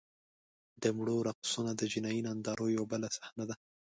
د مړو رقصونه د جنایي نندارو یوه بله صحنه ده.